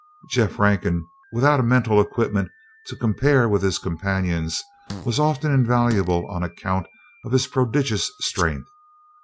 Jeff Rankin, without a mental equipment to compare with his companions, was often invaluable on account of his prodigious strength.